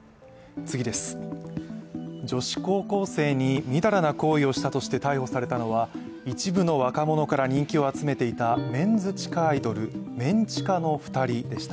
女子高校生にみだらな行為をしたとして逮捕されたのは一部の若者から人気を集めていたメンズ地下アイドル、メン地下の２人でした。